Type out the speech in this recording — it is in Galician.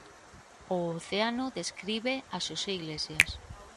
O océano describe a Xosé Iglesias.